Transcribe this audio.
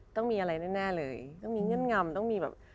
ต้องมีอะไรแน่เลยต้องมีเงื่อนงำต้องมีแบบ